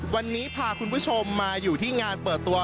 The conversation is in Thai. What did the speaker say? วันนี้พาคุณผู้ชมมาอยู่ที่งานเปิดตัว